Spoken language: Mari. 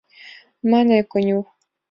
— мане конюх.